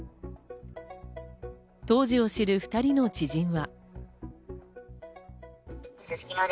当時を知る、２人の知人は。